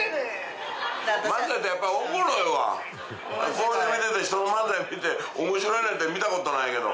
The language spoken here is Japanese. こうやって見て人の漫才見て面白いねって見たことないけど。